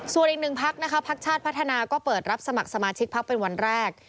ส่วนอีกหนึ่งพักนะคะพักชาติพัฒนาก็เปิดรับสมัครสมาชิกพักเป็นวันแรก